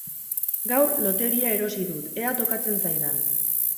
Gaur lotería erosi dut ea tokatzen zaidan.